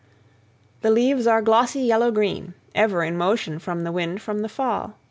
The leaves are glossy yellow green, ever in motion from the wind from the fall.